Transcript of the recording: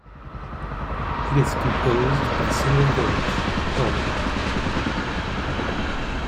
It is composed of a single village, Parva.